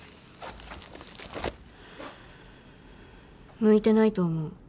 ・向いてないと思う。